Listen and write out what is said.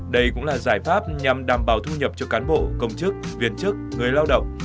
đây cũng là giải pháp nhằm đảm bảo thu nhập cho cán bộ công chức viên chức người lao động